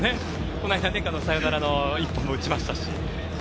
この間、サヨナラの１本も打ちましたし。